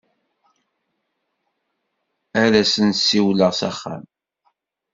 Ad as-n-siwleɣ s axxam.